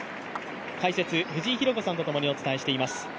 解説、藤井寛子さんと共にお伝えしています。